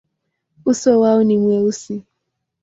Uso wao ni mweusi.